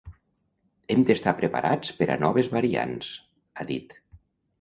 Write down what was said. “Hem d’estar preparats per a noves variants”, ha dit.